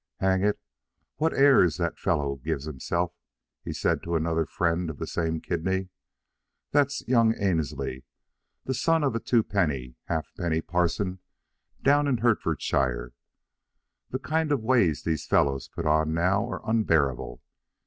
"Hang it! what airs that fellow gives himself," he said to another friend of the same kidney. "That's young Annesley, the son of a twopenny halfpenny parson down in Hertfordshire. The kind of ways these fellows put on now are unbearable.